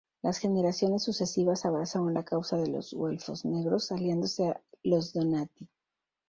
Las generaciones sucesivas abrazaron la causa de los "güelfos negros" aliándose a los Donati.